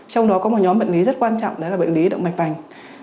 trong đó có một nhóm bệnh lý rất quan trọng đấy là bệnh lý động mạch vành